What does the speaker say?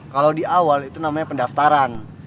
kalau di awal itu namanya pendaftaran